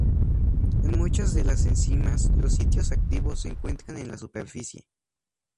En muchas de las enzimas, los sitios activos se encuentran en la superficie.